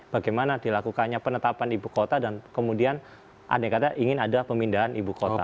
bagaimana dilakukannya penetapan ibu kota dan kemudian andai kata ingin ada pemindahan ibu kota